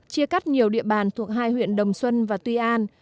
chia cắt nhiều địa bàn thuộc hai huyện đồng xuân và tuy an